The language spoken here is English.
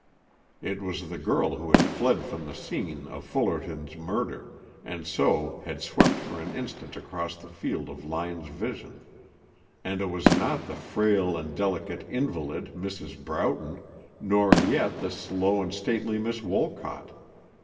It was the girl who had fled from the scene of Fullerton's murder, and so had swept for an instant across the field of Lyon's vision, and it was not the frail and delicate invalid, Mrs. Broughton, nor yet the slow and stately Miss Wolcott.